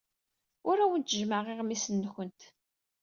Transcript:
Ur awent-jemmɛeɣ iɣmisen-nwent.